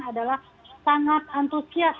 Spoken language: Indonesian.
adalah sangat entusias